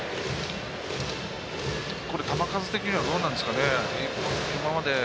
球数的にはどうなんですかね。